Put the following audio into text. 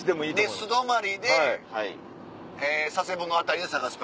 素泊まりで佐世保の辺りで探すと。